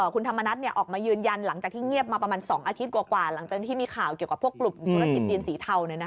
คุณธรรมนัฐออกมายืนยันหลังจากที่เงียบมาประมาณ๒อาทิตย์กว่าหลังจากที่มีข่าวเกี่ยวกับพวกกลุ่มธุรกิจจีนสีเทา